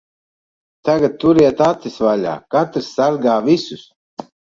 Tagad turiet acis vaļā. Katrs sargā visus.